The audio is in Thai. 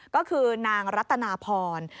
ก็คือนางรัตนาพร